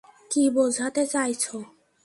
কি বোঝাতে চাইছ?